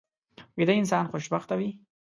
ویده انسان خوشبخته وي